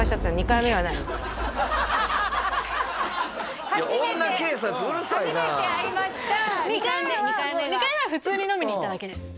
２回目は普通に飲みに行っただけです